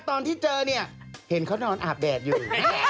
ตอนที่เจอเนี่ยเห็นเขานอนอาบแดดอยู่